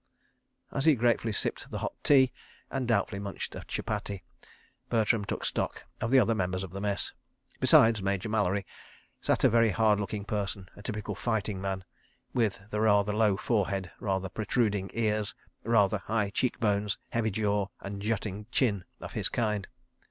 ..." As he gratefully sipped the hot tea and doubtfully munched a chapatti, Bertram took stock of the other members of the Mess. Beside Major Mallery sat a very hard looking person, a typical fighting man with the rather low forehead, rather protruding ears, rather high cheek bones, heavy jaw and jutting chin of his kind.